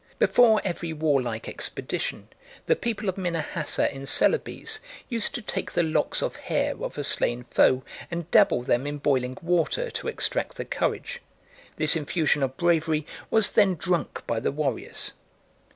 Before every warlike expedition the people of Minahassa in Celebes used to take the locks of hair of a slain foe and dabble them in boiling water to extract the courage; this infusion of bravery was then drunk by the warriors.